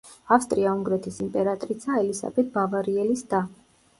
ავსტრია-უნგრეთის იმპერატრიცა ელისაბედ ბავარიელის და.